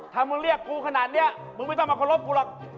ถ้ามึงเรียกกูขนาดนี้มึงไม่ต้องมาเคารพกูหรอก